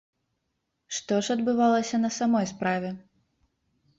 Што ж адбывалася на самой справе?